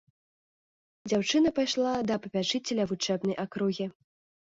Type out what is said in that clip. Дзяўчына пайшла да папячыцеля вучэбнай акругі.